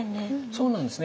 そうなんですね。